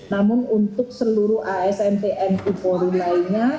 namun untuk seluruh asn tni polri lainnya